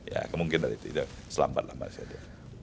ya kemungkinan itu tidak selambat lambat saja